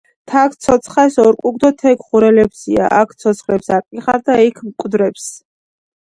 თაქი ცოცხალს ორკჷქ დო თექი ღურელეფსია.აქ ცოცხლებს აკლიხარ და იქ მკვდრებს.